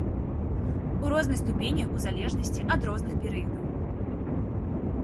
У рознай ступені ў залежнасці ад розных перыядаў.